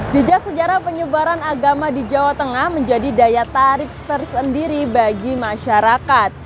dijak sejarah penyubaran agama di jawa tengah menjadi daya tarik tarik sendiri bagi masyarakat